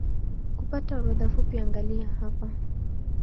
Kupata orodha fupi angalia hapa